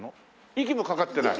息もかかってない？